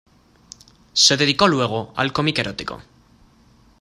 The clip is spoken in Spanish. Se dedicó luego al cómic erótico.